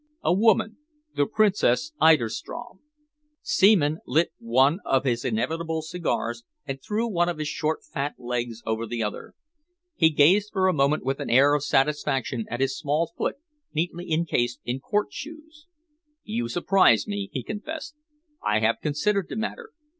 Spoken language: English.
"A woman the Princess Eiderstrom." Seaman lit one of his inevitable cigars and threw one of his short, fat legs over the other. He gazed for a moment with an air of satisfaction at his small foot, neatly encased in court shoes. "You surprise me," he confessed. "I have considered the matter.